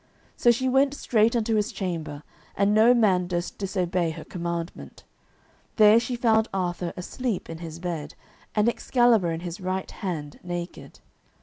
So she went straight unto his chamber, and no man durst disobey her commandment. There she found Arthur asleep in his bed, and Excalibur in his right hand naked.